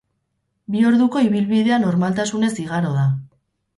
Bi orduko ibilbidea normaltasunez igaro da.